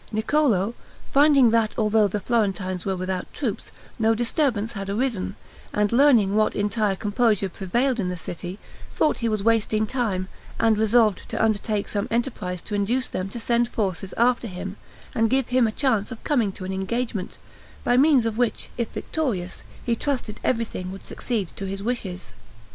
Niccolo finding that, although the Florentines were without troops, no disturbance had arisen, and learning what entire composure prevailed in the city, thought he was wasting time, and resolved to undertake some other enterprise to induce them to send forces after him, and give him a chance of coming to an engagement, by means of which, if victorious, he trusted everything would succeed to his wishes.